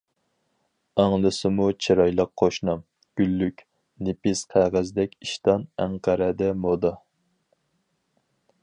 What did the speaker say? -ئاڭلىسىمۇ چىرايلىق قوشنام، گۈللۈك، نېپىز قەغەزدەك ئىشتان ئەنقەرەدە مودا.